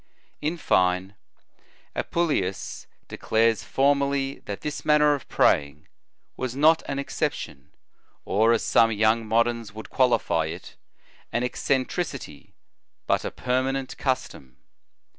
In fine, Apuleius declares formally, that this manner of praying was not an exception, or, as some young moderns would qualify it, an eccentricity, but a permanent custom.